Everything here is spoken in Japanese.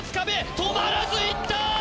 止まらず行った！